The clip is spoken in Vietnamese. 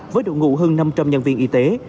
với độ ngụ hơn năm trăm linh nhân viên y tế